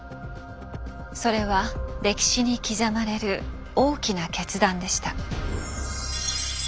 それは歴史に刻まれる大きな決断でした。